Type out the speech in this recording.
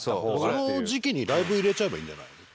その時期にライブ入れちゃえばいいんじゃない？